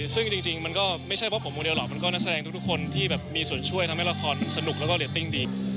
ซึ่งจริงมันก็ไม่ใช่เพราะผมโมเลหรอกมันก็นักแสดงทุกคนที่แบบมีส่วนช่วยทำให้ละครสนุกแล้วก็เรตติ้งดี